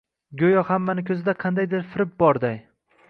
Goʻyo, hammani koʻzida qanaqadir bir firib borday